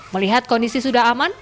melihat kondisi sudah aman